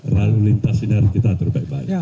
lalu lintas sinar kita terbaik baik